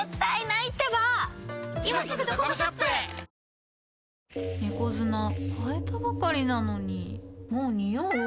ニトリ猫砂替えたばかりなのにもうニオう？